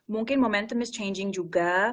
mungkin momentum is changing juga